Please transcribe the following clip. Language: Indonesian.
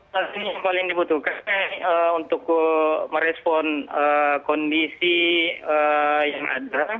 pastinya paling dibutuhkan untuk merespon kondisi yang ada